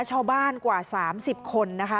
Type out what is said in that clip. ชาวบ้านกว่า๓๐คนนะคะ